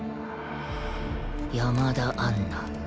山田杏奈